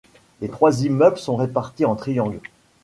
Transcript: Les trois immeubles sont répartis en triangle.